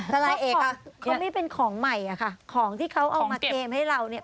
ทนายเอกอ่ะเขาไม่เป็นของใหม่อะค่ะของที่เขาเอามาเคลมให้เราเนี่ย